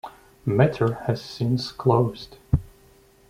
Matter has since closed.